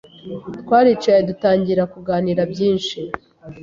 twaricaye dutangira kuganira byinshi